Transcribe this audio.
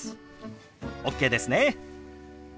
ＯＫですね。